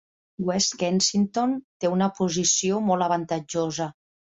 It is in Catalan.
West Kensington té una posició molt avantatjosa.